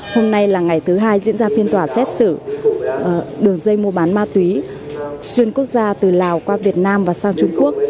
hôm nay là ngày thứ hai diễn ra phiên tòa xét xử đường dây mua bán ma túy xuyên quốc gia từ lào qua việt nam và sang trung quốc